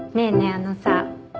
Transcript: あのさ